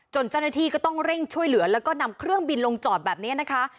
เจ้าหน้าที่ก็ต้องเร่งช่วยเหลือแล้วก็นำเครื่องบินลงจอดแบบนี้นะคะ